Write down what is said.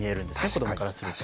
子どもからすると。